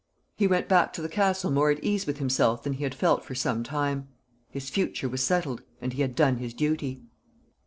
He went back to the Castle more at ease with himself than he had felt for some time. His future was settled, and he had done his duty.